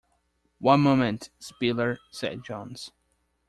"One moment, Spiller," said Jones.